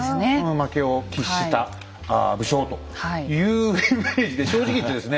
負けを喫した武将というイメージで正直言ってですね